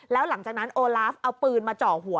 แล้วหลังจากนั้นโอลาฟเอาปืนมาเจาะหัว